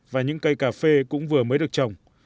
và những cây cà phê cũng vừa mới được trồng